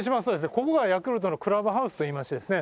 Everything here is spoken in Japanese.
ここがヤクルトのクラブハウスといいましてですね